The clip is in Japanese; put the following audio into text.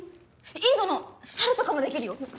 インドのサルとかもできるよ。